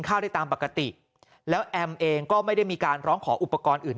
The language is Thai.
ข้าวได้ตามปกติแล้วแอมเองก็ไม่ได้มีการร้องขออุปกรณ์อื่น